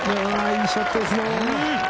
いいショットですね。